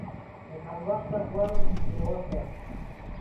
د کم بخته غول بې وخته.